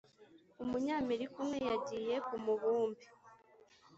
Umunyamerika umwe yagiye kumubumbe